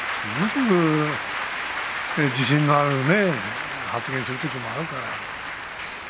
自信のある発言をするときもあるからね。